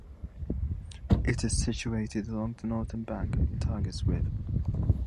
It is situated along the northern bank of the Tagus River.